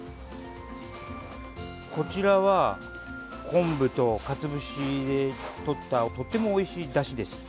こちらは昆布とかつお節でとったとってもおいしいだしです。